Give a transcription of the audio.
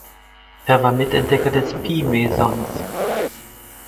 Er war Mitentdecker des Pi-Mesons.